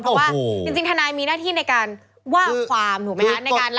เพราะว่าจริงทนายมีหน้าที่ในการว่าความถูกไหมคะ